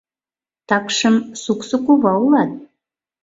Такшым суксо кува улат.